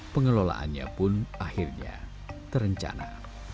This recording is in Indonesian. pengelolaannya pun akhirnya terencana